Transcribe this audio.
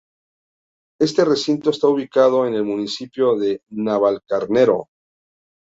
Este recinto está ubicado en el municipio de Navalcarnero.